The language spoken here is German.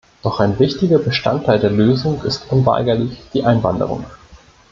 Doch ein wichtiger Bestandteil der Lösung ist unweigerlich die Einwanderung.